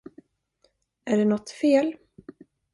Är det nåt fel?